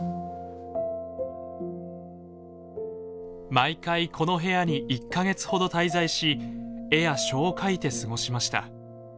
毎回この部屋に１か月ほど滞在し絵や書を書いて過ごしました。